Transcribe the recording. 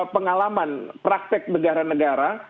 pengalaman praktek negara negara